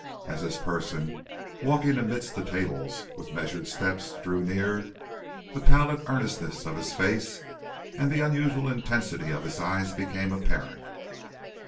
As this person, walking amidst the tables with measured steps, drew near, the pallid earnestness of his face and the unusual intensity of his eyes became apparent.